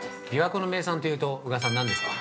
◆琵琶湖の名産というと宇賀さん、何ですか？